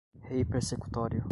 reipersecutório